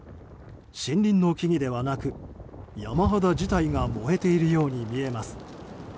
森林の木々ではなく、山肌自体が燃えているように見えます。